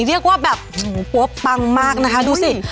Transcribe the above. เรียกว่าปลั่งมากนะคะดูสิ